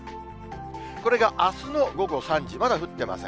これがあすの午後３時、まだ降ってません。